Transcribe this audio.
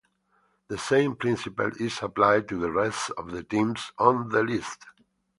The same principle is applied to the rest of the teams on the list.